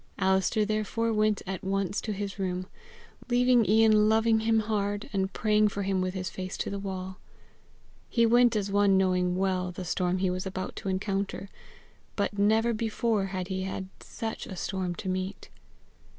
Alister therefore went at once to his room, leaving Ian loving him hard, and praying for him with his face to the wall. He went as one knowing well the storm he was about to encounter, but never before had he had such a storm to meet.